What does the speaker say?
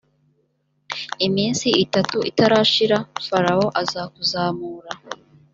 iminsi itatu itarashira farawo azakuzamura